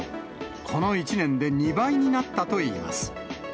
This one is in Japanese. この１年で２倍になったといいます。